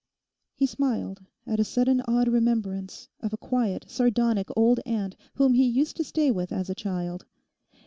He smiled at a sudden odd remembrance of a quiet, sardonic old aunt whom he used to stay with as a child.